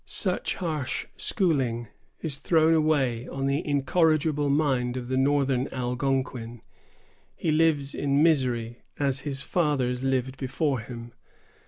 Such harsh schooling is thrown away on the incorrigible mind of the northern Algonquin. He lives in misery, as his fathers lived before him.